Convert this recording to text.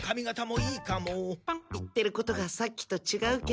言ってることがさっきとちがうけど。